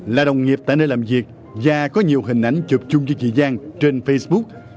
là đồng nghiệp tại nơi làm việc và có nhiều hình ảnh chụp chung cho chị giang trên facebook